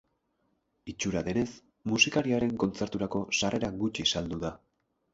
Itxura denez, musikariaren kontzerturako sarrera gutxi saldu da.